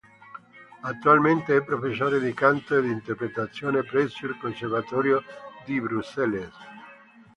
Attualmente è professore di canto e di interpretazione presso il Conservatorio di Bruxelles.